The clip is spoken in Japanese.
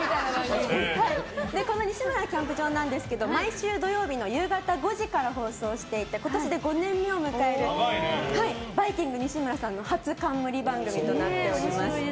この「西村キャンプ場」ですが毎週土曜日の夕方５時から放送していて今年で５年目を迎えるバイきんぐ西村さんの初冠番組となっております。